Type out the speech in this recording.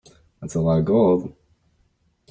That's a lot of gold.